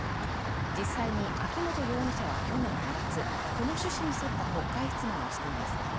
実際に秋本容疑者は去年２月、この趣旨に沿った国会質問をしています。